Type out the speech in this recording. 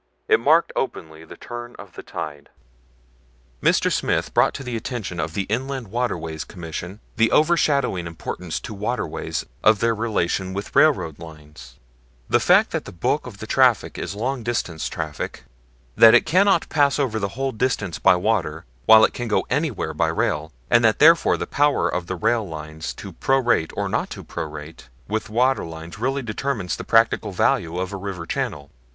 It marked openly the turn of the tide." Mr. Smith brought to the attention of the Inland Waterways Commission the overshadowing importance to waterways of their relation with railroad lines, the fact that the bulk of the traffic is long distance traffic, that it cannot pass over the whole distance by water, while it can go anywhere by rail, and that therefore the power of the rail lines to pro rate or not to pro rate, with water lines really determines the practical value of a river channel.